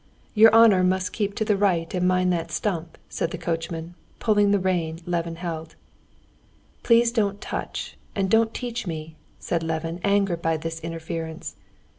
"Your honor must keep to the right and mind that stump," said the coachman, pulling the rein Levin held. "Please don't touch and don't teach me!" said Levin, angered by this interference.